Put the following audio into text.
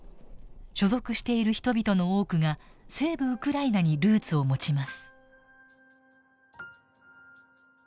所属している人々の多くが西部ウクライナにルーツを持ちます。